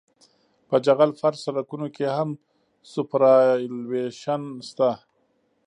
په جغل فرش سرکونو کې هم سوپرایلیویشن شته